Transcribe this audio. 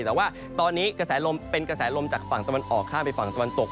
แต่ว่าตอนนี้กระแสลมเป็นกระแสลมจากฝั่งตะวันออกข้ามไปฝั่งตะวันตก